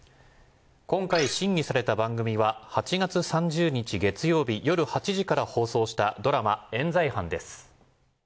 今回審議された番組は８月３０日月曜日夜８時から放送したドラマ『冤罪犯』です。